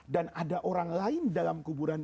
dan ada orang lain dalam kuburan